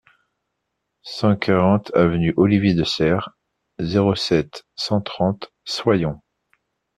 cent quarante avenue Olivier de Serres, zéro sept, cent trente, Soyons